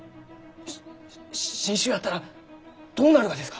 し新種やったらどうなるがですか！？